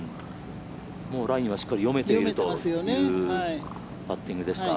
もうラインはしっかり見えているというパッティングでした。